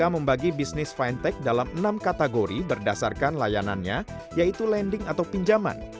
membagi bisnis fintech dalam enam kategori berdasarkan layanannya yaitu landing atau pinjaman